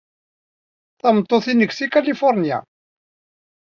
Tameṭṭut-nnek seg Kalifuṛnya.